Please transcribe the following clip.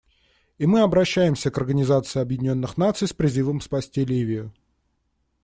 И мы обращаемся к Организации Объединенных Наций с призывом спасти Ливию.